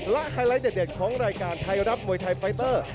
และไฮไลท์เด็ดของรายการไทยรัฐมวยไทยไฟเตอร์